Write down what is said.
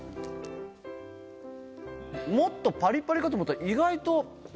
もっとパリパリかと思ったら。